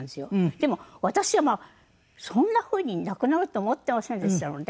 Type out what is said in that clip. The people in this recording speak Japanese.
でも私はそんなふうに亡くなると思っていませんでしたので。